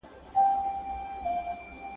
که تعلیمي ویډیو وي نو راتلونکی نه خرابیږي.